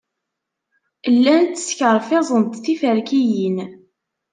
Llant skerfiẓent tiferkiyin.